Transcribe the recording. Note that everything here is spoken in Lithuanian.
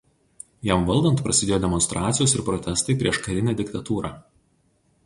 Jam valdant prasidėjo demonstracijos ir protestai prieš karinę diktatūrą.